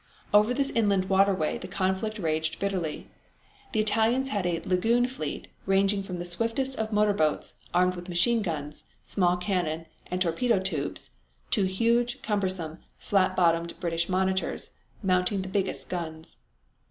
Over this inland waterway the conflict raged bitterly. The Italians had a "lagoon fleet" ranging from the swiftest of motor boats, armed with machine guns, small cannon, and torpedo tubes, to huge, cumbersome, flat bottomed British monitors, mounting the biggest guns.